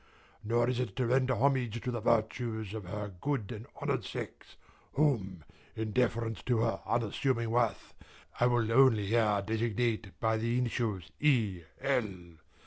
Nor is it to render homage to the virtues of the best of her good and honoured sex whom, in deference to her unassuming worth, I will only here designate by the initials E. L.